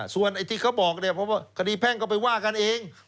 ส่วนที่เขาบอกคดีแพ่งก็ไปว่ากันเอง